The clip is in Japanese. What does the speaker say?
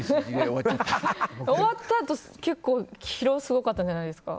終わったあと疲労すごかったんじゃないんですか？